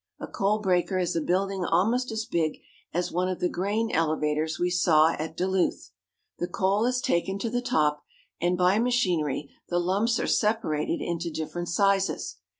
A coal breaker is a building almost as big as one of the grain elevators we saw at Duluth. The coal is taken to the top, and by machinery the lumps are separated into different sizes.